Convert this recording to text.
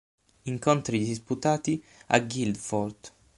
Incontri disputati a Guildford.